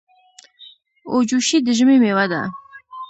اوجوشي د ژمي مېوه ده.